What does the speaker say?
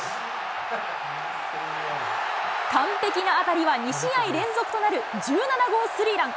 完璧な当たりは、２試合連続となる１７号スリーラン。